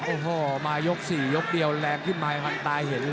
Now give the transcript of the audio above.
โอ้โหมายก๔ยกเดียวแรงขึ้นมามันตายเห็น